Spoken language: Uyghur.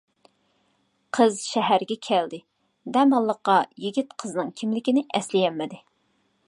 قىز شەھەرگە كەلدى، دەماللىققا يىگىت قىزنىڭ كىملىكىنى ئەسلىيەلمىدى.